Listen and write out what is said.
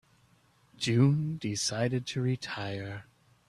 June decided to retire.